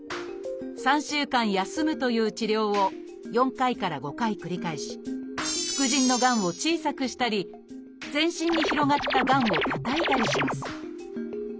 ３週間休むという治療を４回から５回繰り返し副腎のがんを小さくしたり全身に広がったがんをたたいたりします